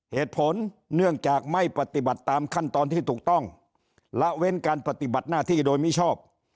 เหตุผลเนื่องจากไม่ปฏิบัติตามขั้นตอนที่ถูกต้องละเว้นการปฏิบัติหน้าที่โดยมิชอบ